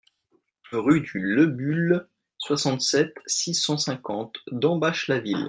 Rue du Leubuhl, soixante-sept, six cent cinquante Dambach-la-Ville